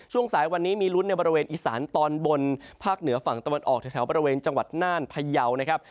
ช่วงสายวันนี้มีรุ่นในบริเวณอิสันตอนบนภาคเหนือฝั่งตะวันห้วงหลังถูกแถวภาระเวียนจังหวัดไนภยาวนะครับ